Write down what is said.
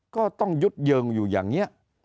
ก็ต้องยึดเยิงอยู่อย่างนี้